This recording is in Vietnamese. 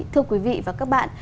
thưa quý vị và các bạn